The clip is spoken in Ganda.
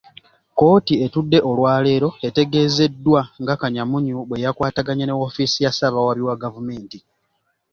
Kkooti etudde olwaleero, etegeezeddwa nga Kanyamunyu bwe yakwataganye ne woofiisi ya ssaabawaabi wa gavumenti.